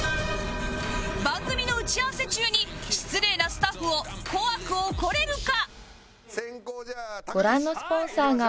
番組の打ち合わせ中に失礼なスタッフを怖く怒れるか？